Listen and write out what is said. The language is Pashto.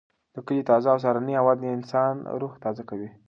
د کلي تازه او سهارنۍ هوا د انسان روح تازه کوي.